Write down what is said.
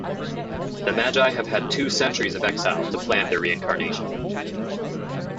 The Magi have had two centuries of exile to plan their reincarnation.